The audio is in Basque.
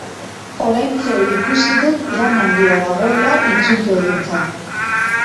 Oraintxe ikusi dut lan handia dagoela itzulpengintzan.